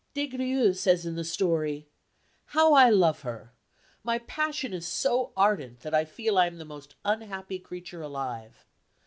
Des Grieux says in the story, "How I love her! My passion is so ardent that I feel I am the most unhappy creature alive.